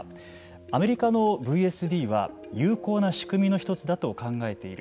アメリカのＶＳＤは有効な仕組みの１つだと考えている。